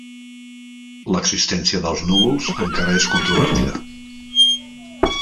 L'existència dels núvols encara és controvertida.